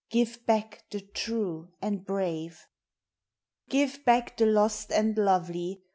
Give back the true and brave! Give back the lost and lovely!